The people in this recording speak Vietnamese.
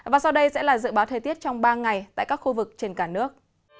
và sau đây sẽ là dự báo thời tiết trong ba ngày tại các khu vực trên cả nước